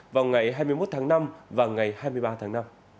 vào ngày hai mươi một tháng năm và ngày hai mươi ba tháng năm